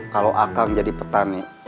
kalau akang jadi petani